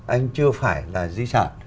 anh chưa phải là di sản